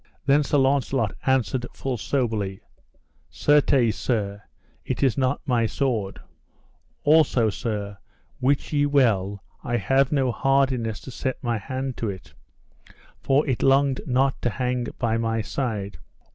Then Sir Launcelot answered full soberly: Certes, sir, it is not my sword; also, Sir, wit ye well I have no hardiness to set my hand to it, for it longed not to hang by my side.